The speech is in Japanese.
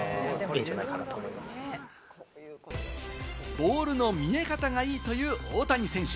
ボールの見え方がいいという大谷選手。